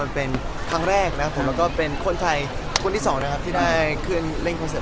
รีวิวงานปีหน้าเหรอเดิมครับมีอะไรบ้างที่จะต้องถาม